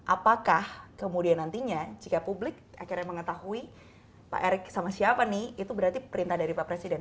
apakah kemudian nantinya jika publik akhirnya mengetahui pak erick sama siapa nih itu berarti perintah dari pak presiden